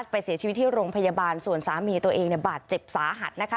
เสียชีวิตที่โรงพยาบาลส่วนสามีตัวเองบาดเจ็บสาหัสนะคะ